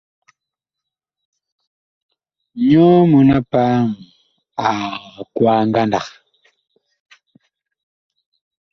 Nyɔ mɔn-a-paam ag kwaa ngandag.